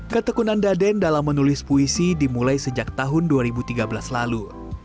ketekunan daden dalam menulis puisi dimulai sejak tahun dua ribu tiga belas lalu